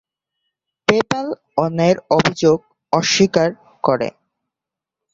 PayPal অন্যায়ের অভিযোগ অস্বীকার করে।